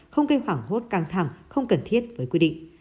không gây hoảng hốt căng thẳng không cần thiết với quy định